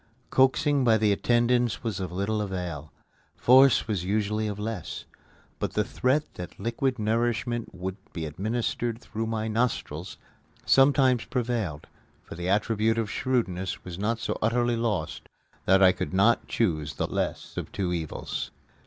Coaxing by the attendants was of little avail; force was usually of less. But the threat that liquid nourishment would be administered through my nostrils sometimes prevailed for the attribute of shrewdness was not so utterly lost that I could not choose the less of two evils.